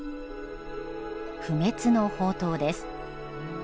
不滅の法灯です。